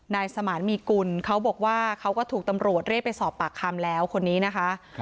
นายสมานมีกุลเขาบอกว่าเขาก็ถูกตำรวจเรียกไปสอบปากคำแล้วคนนี้นะคะ